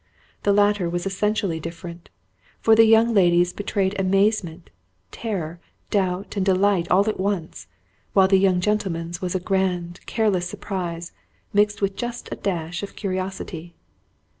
That latter was essentially different, for the young lady's betrayed amazement, terror, doubt, and delight all at once; while the young gentleman's was a grand, careless surprise, mixed with just a dash of curiosity.